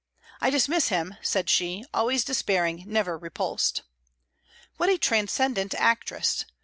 "I dismiss him," said she, "always despairing, never repulsed." What a transcendent actress!